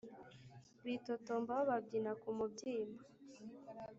Bitotomba bababyina ku mubyimba